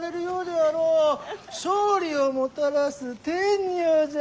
勝利をもたらす天女じゃ。